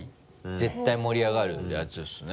絶対盛り上がるやつですね。